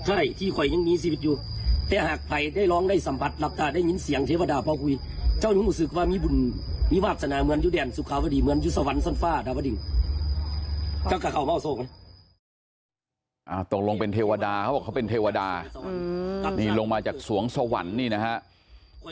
ตกลงเป็นเทวดาเขาบอกเขาเป็นเทวดานี่ลงมาจากสวงสวรรค์นี่นะฮะ